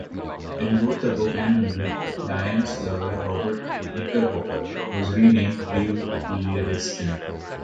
In both the book and movie Diane's lover, Robert Knickerbocker, was renamed Lew Lewiston.